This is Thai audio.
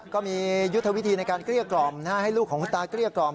ก็มียุทธวิธีในการเกลี้ยกล่อมให้ลูกของคุณตาเกลี้ยกล่อม